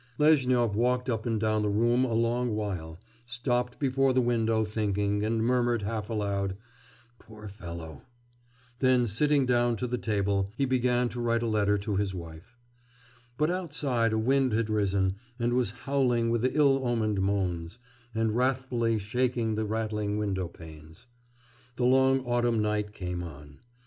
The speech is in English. Lezhnyov walked up and down the room a long while, stopped before the window thinking, and murmured half aloud, 'Poor fellow!' Then sitting down to the table, he began to write a letter to his wife. But outside a wind had risen, and was howling with ill omened moans, and wrathfully shaking the rattling window panes. The long autumn night came on.